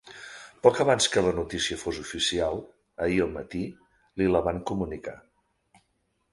Poc abans que la notícia fos oficial, ahir al matí, li la van comunicar.